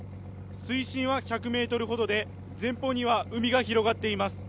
水深は１００ｍほどで前方には海が広がっています。